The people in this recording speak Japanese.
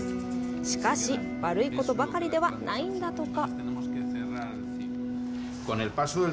しかし、悪いことばかりではないんだとか。